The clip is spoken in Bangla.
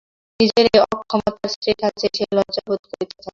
নিজের এই অক্ষমতায় স্ত্রীর কাছে সে লজ্জা বোধ করিতে থাকে।